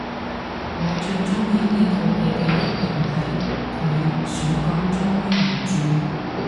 我最鍾意呢套戲嘅一點係佢選角忠於原著